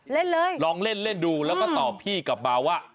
เล่นเลยลองเล่นดูแล้วก็ตอบพี่กลับมาว่า